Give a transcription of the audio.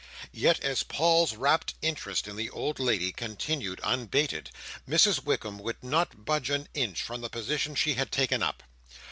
Yet, as Paul's rapt interest in the old lady continued unbated, Mrs Wickam would not budge an inch from the position she had taken up.